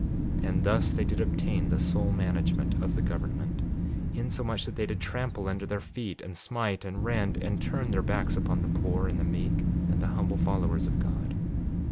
6:39 And thus they did obtain the sole management of the government, insomuch that they did trample under their feet and smite and rend and turn their backs upon the poor and the meek, and the humble followers of God.